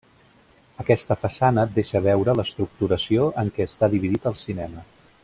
Aquesta façana deixa veure l'estructuració en què està dividit el cinema.